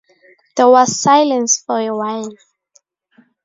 There was silence for a while.